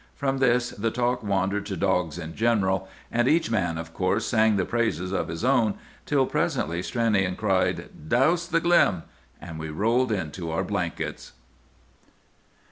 From this the talk wandered to dogs in general; and each man, of course, sang the praises of his own, till presently Stranion cried, "Douse the glim!" and we rolled into our blankets.